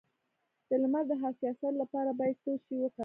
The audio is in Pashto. د لمر د حساسیت لپاره باید څه شی وکاروم؟